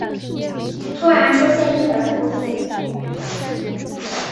突然出现婴儿哭声